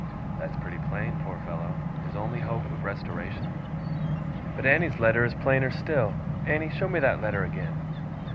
That's pretty plain, poor fellow! His only hope of restoration! But Annie's letter is plainer still. Annie, show me that letter again.